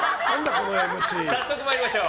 早速参りましょう。